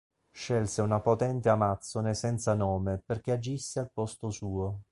Scelse una potente Amazzone senza nome perché agisse al posto suo.